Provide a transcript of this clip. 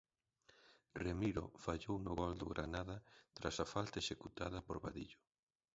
Remiro fallou no gol do Granada tras a falta executada por Vadillo.